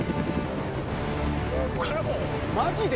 「マジで？